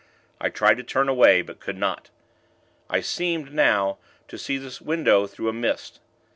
I tried to turn away; but could not. I seemed, now, to see the window through a mist.